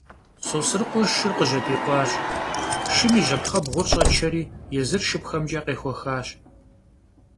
Sosrıkhue şşır khıjedikhuaş, şşım yi jepxhebğur ş'eçeri yêzır şşıpxemç'e khıpıxuaş.